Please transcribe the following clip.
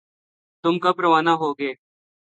تم کب روانہ ہوگے؟